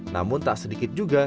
namun tak sedikit juga